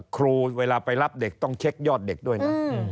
ครูเวลาไปรับเด็กต้องเช็คยอดเด็กด้วยนะ